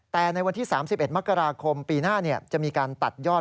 แต่ในวันที่๓๑มกราคมปีหน้าจะมีการตัดยอด